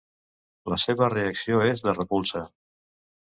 La seva reacció és de repulsa.